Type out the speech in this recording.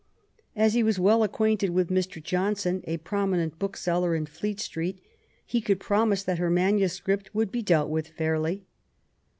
As he was well acquainted with Mr. Johnson, a prominent bookseller in Fleet Street, he could promise that her manuscript would be dealt with fairly.